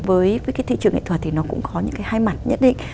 với cái thị trường nghệ thuật thì nó cũng có những cái hai mặt nhất định